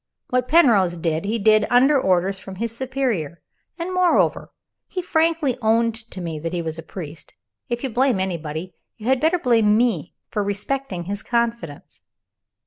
What Penrose did, he did under orders from his superior and, moreover, he frankly owned to me that he was a priest. If you blame anybody, you had better blame me for respecting his confidence."